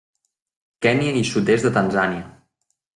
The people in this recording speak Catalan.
Kenya i sud-est de Tanzània.